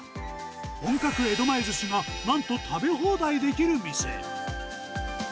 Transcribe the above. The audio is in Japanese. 本格江戸前ずしがなんと食べ放題できる店。